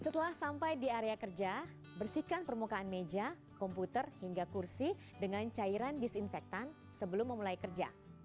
setelah sampai di area kerja bersihkan permukaan meja komputer hingga kursi dengan cairan disinfektan sebelum memulai kerja